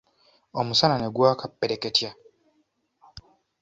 Omusana ne gwaka ppereketya.